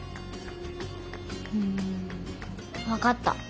ふーん分かった。